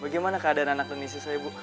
bagaimana keadaan anak dan istri saya bu